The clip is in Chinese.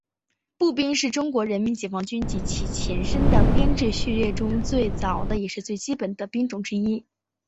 步兵是中国人民解放军及其前身的编制序列中最早的也是最基本的兵种之一。